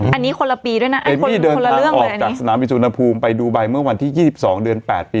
อันนี้คนละปีด้วยนะเต็มมี่เดินทางออกจากสนามวิสุนภูมิไปดูไบเมื่อวันที่๒๒เดือน๘ปี๑๙